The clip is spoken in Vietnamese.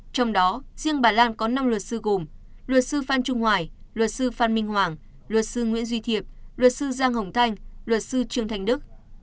trong đó riêng bà lan có năm luật sư gồm luật sư phan trung hoài luật sư phan minh hoàng luật sư nguyễn duy thiệp luật sư giang hồng thanh luật sư trương thanh đức